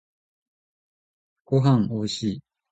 ごはんおいしい。